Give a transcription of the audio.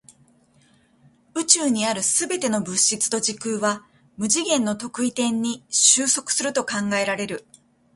宇宙にある全ての物質と時空は無次元の特異点に収束すると考えられる。